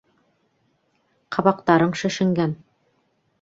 Ҡабаҡтарың шешенгән.